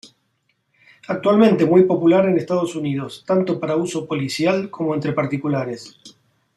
Actualmente muy popular en Estados Unidos, tanto para uso policial como entre particulares.